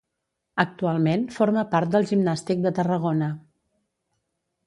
Actualment forma part del Gimnàstic de Tarragona.